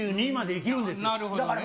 なるほどね。